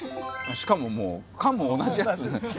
しかももう缶も同じやつ。